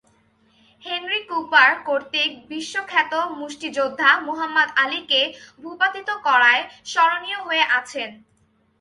Henry Cooper কর্তৃক বিশ্বখ্যাত মুষ্টিযোদ্ধা মুহাম্মদ আলীকে ভূপাতিত করায় স্মরণীয় হয়ে আছেন।